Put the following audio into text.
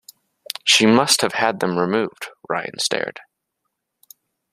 “She must have had them removed.” Rayan stared.